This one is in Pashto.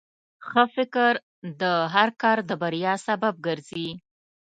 ښه فکر د هر کار د بریا سبب ګرځي.